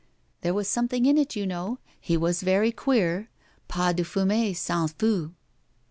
'There was something in it, you know; he was very queer. Pas de fumée sans feu.'